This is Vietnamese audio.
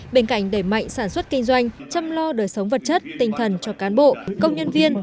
bên cạnh đẩy mạnh sản xuất kinh doanh chăm lo đời sống vật chất tinh thần cho cán bộ công nhân viên